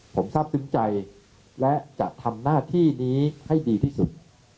ผมทราบซึ้งใจและจะทำหน้าที่นี้ให้ดีที่สุด